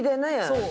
そう。